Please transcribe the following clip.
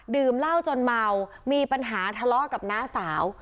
ดื่มเหล้าจนเมามีปัญหาทะเลาะกับน้าสาว